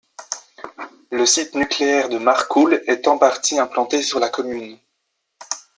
Le site nucléaire de Marcoule est en partie implanté sur la commune.